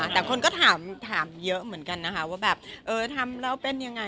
แต่คนก็ถามเยอะเหมือนกันนะคะว่าทำแล้วเป็นอย่างไร